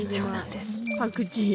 パクチー。